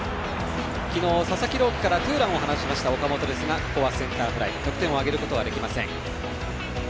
昨日、佐々木朗希からツーランを放ちました岡本ですがここはセンターフライ得点を挙げることはできません。